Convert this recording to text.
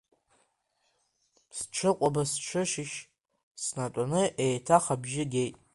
Сҽыкәаба-сҽышьышь снатәоны, еиҭах абжьы геит.